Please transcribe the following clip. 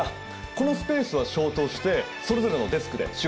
このスペースは消灯してそれぞれのデスクで仕事しましょう。